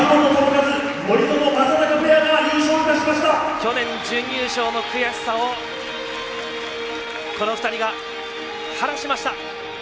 去年、準優勝の悔しさをこの２人が晴らしました。